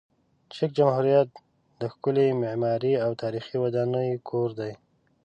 چک جمهوریت د ښکلې معماري او تاریخي ودانۍ کور دی.